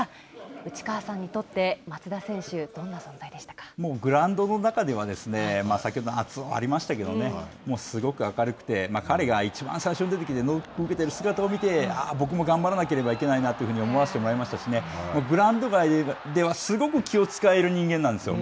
内川さんにとって、もうグラウンドの中では、先ほどの熱男がありましたけれども、すごく明るくて、彼がいちばん最初に出てきて、ノックを受けている姿を見て、僕も頑張らなければいけないなと思わせてもらいましたしね、グラウンド外では、すごく気を遣える人間なんですよ。